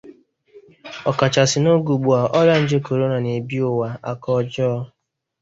ọkachasị n'oge ugbua ọrịa nje korona na-ebì ụwa aka ọjọọ.